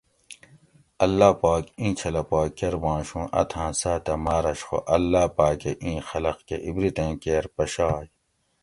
اللّٰہ پاک ایں چھلہ پا کرۤ باۤنش اوں اتھاں ساتہ مرَش خو اللّٰہ پاکہ ایں خلق کہ عِبریتیں کیر پشائ